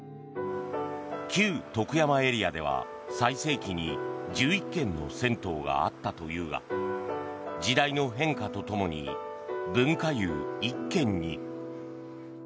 旧徳山エリアでは、最盛期に１１軒の銭湯があったというが時代の変化とともに文化湯１軒に。